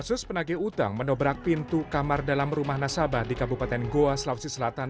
kasus penagi utang menobrak pintu kamar dalam rumah nasabah di kabupaten goa selawesi selatan